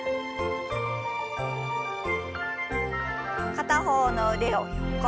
片方の腕を横。